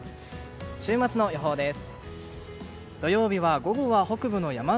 週末の予報です。